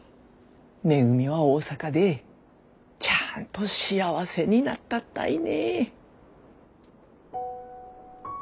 めぐみは大阪でちゃんと幸せになったったいね。